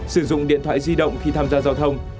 sử dụng điện thoại di động khi tham gia giao thông